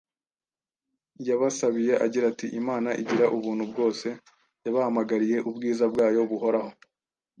yabasabiye agira ati: “imana igira ubuntu bwose yabahamagariye ubwiza bwayo buhoraho